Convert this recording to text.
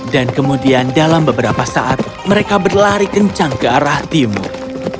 dan kemudian dalam beberapa saat mereka berlari kencang ke arah timur